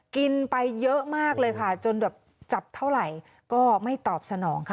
กินไปเยอะมากเลยค่ะจนแบบจับเท่าไหร่ก็ไม่ตอบสนองค่ะ